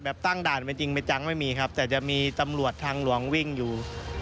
ตั้งด่านไปจริงไม่จังไม่มีครับแต่จะมีตำรวจทางหลวงวิ่งอยู่